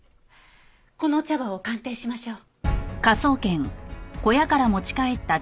この茶葉を鑑定しましょう。